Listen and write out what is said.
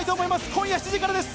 今夜７時からです。